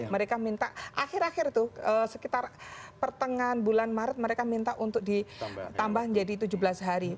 mereka minta akhir akhir itu sekitar pertengahan bulan maret mereka minta untuk ditambah menjadi tujuh belas hari